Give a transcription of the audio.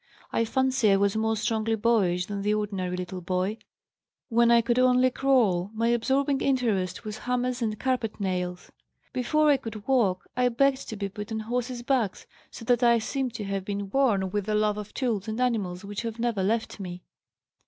I fancy I was more strongly 'boyish' than the ordinary little boy. When I could only crawl my absorbing interest was hammers and carpet nails. Before I could walk I begged to be put on horses' backs, so that I seem to have been born with the love of tools and animals which has never left me.